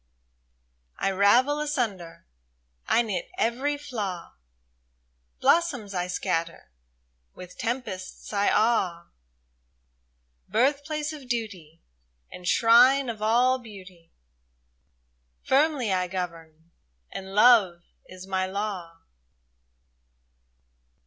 I ravel asunder, I knit every flaw ; Blossoms I scatter, with tempests I awe ; Birthplace of duty, And shrine of all beauty, — Firmly I govern, and love is my law